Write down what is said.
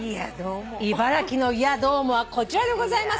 茨城のいやどうもはこちらでございます。